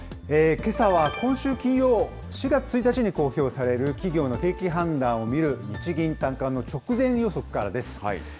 けさは今週金曜、４月１日に公表される企業の景気判断を見る日銀短観の直前予測からです。